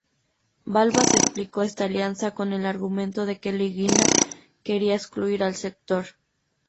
Balbás explicó esta alianza con el argumento de que Leguina quería excluir al sector.